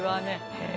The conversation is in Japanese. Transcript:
へえ。